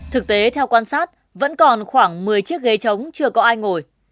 thực tế theo quan sát vẫn còn khoảng một mươi chiếc ghế trống chưa có ai ngồi